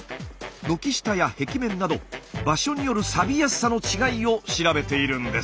軒下や壁面など場所によるサビやすさの違いを調べているんです。